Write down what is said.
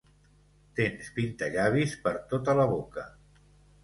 Tens pintallavis per tota la boca.